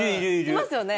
いますよね。